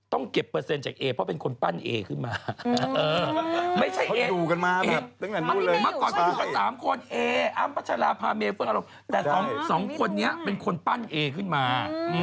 ต้องเก็บเปอร์เซ็นต์เองเพราะเป็นคนปั้นเองขึ้นมา